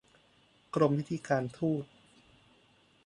กรมพิธีการทูต